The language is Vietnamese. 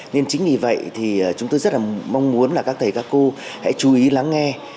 nên chính vì vậy thì chúng tôi rất là mong muốn là các thầy các cô hãy chú ý lắng nghe